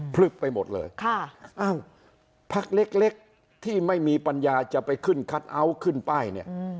ลึกไปหมดเลยพักเล็กที่ไม่มีปัญญาจะไปขึ้นคัทเอาท์ขึ้นป้ายเนี่ย